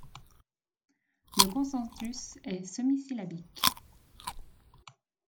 Le concentus est semi-syllabique.